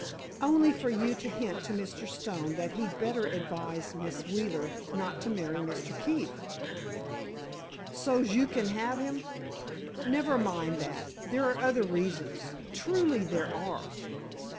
"Only for you to hint to Mr. Stone that he'd better advise Miss Wheeler not to marry Mr. Keefe." "So's you can have him." "Never mind that. There are other reasons—truly there are."